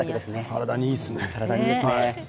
体にいいですね。